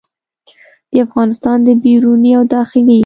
د افغانستان د بیروني او داخلي